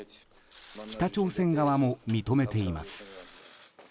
北朝鮮側も認めています。